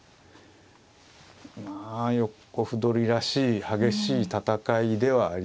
まあ横歩取りらしい激しい戦いではありますね。